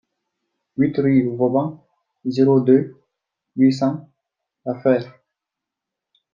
huit rue Vauban, zéro deux, huit cents, La Fère